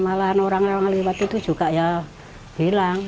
malahan orang yang lewat itu juga ya hilang